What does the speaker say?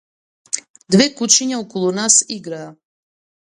Две кучиња околу нас играа.